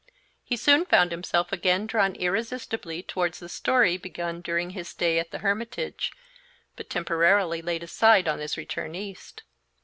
He soon found himself again drawn irresistibly towards the story begun during his stay at the Hermitage, but temporarily laid aside on his return east.